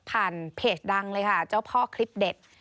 เพจดังเลยค่ะเจ้าพ่อคลิปเด็ด